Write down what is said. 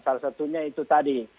salah satunya itu tadi